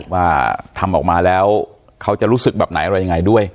ว่าทำออกมาแล้วเขาจะรู้สึกแบบไหนอะไรยังไงด้วย